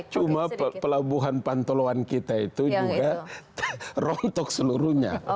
cuma pelabuhan pantoloan kita itu juga rontok seluruhnya